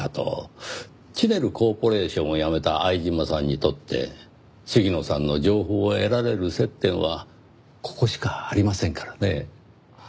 チネルコーポレーションを辞めた相島さんにとって鴫野さんの情報を得られる接点はここしかありませんからねぇ。